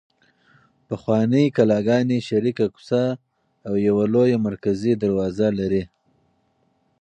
پخوانۍ کلاګانې شریکه کوڅه او یوه لویه مرکزي دروازه لري.